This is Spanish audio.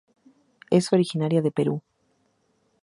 Es originaria del Perú.